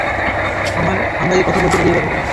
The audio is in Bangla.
আমরা কথা বলতে পারি এ ব্যাপারে।